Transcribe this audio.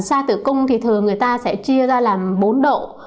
sa tử cung thì thường người ta sẽ chia ra làm bốn độ